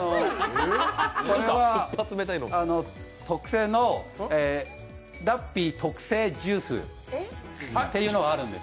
これは、特製のラッピー特製ジュースというのがあるんです。